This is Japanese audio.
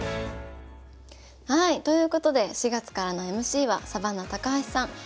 はいということで４月からのＭＣはサバンナ高橋さん